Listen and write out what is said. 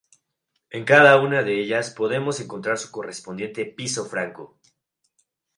En cada una de ellas podemos encontrar su correspondiente piso franco.